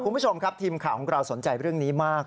คุณผู้ชมครับทีมข่าวของเราสนใจเรื่องนี้มาก